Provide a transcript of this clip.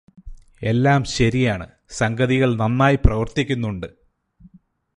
എല്ലാം ശരിയാണ്, സംഗതികള് നന്നായി പ്രവര്ത്തിക്കുന്നുണ്ട്.